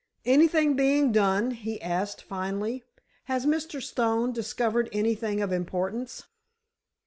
"Anything being done?" he asked, finally. "Has Mr. Stone discovered anything of importance?"